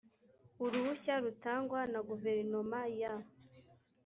uruhushya rutangwa na guverinoma ya